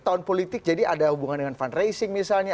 tahun politik jadi ada hubungan dengan fundraising misalnya